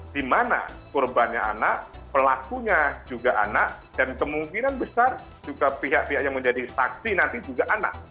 di mana korbannya anak pelakunya juga anak dan kemungkinan besar juga pihak pihak yang menjadi saksi nanti juga anak